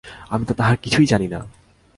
আমি তো তাহার কিছুই জানি না।